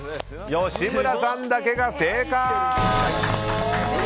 吉村さんだけが正解！